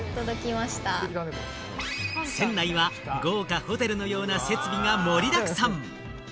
船内は豪華ホテルのような設備が盛りだくさん。